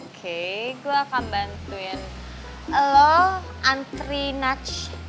oke gue akan bantuin lo antrinach